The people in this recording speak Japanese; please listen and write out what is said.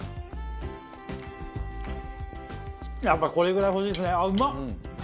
やっぱこれぐらい欲しいですね。